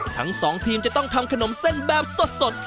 ทั้งสองทีมจะต้องทำขนมเส้นแบบสด